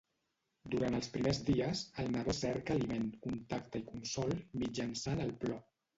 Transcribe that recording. Durant els primers dies, un nadó cerca aliment, contacte i consol mitjançant el plor.